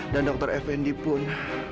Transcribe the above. dan dokter fnd pun